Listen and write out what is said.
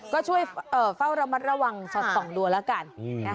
ก็ช่วยเฝ้าระมัดระวังสอดส่องดูแล้วกัน